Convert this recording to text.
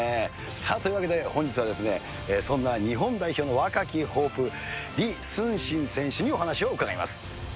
さあ、というわけで本日は、そんな日本代表の若きホープ、李承信選手にお話を伺います。